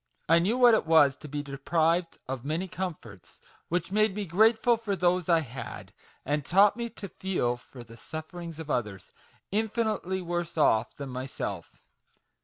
I knew what it was to be deprived of many 22 MAGIC WORDS. comforts, which made me grateful for those I had, and taught me to feel for the sufferings of others infinitely worse off than myself.